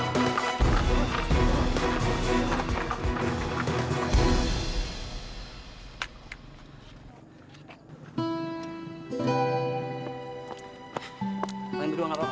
kalian berdua enggak apa apa